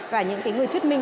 và những người thuyết minh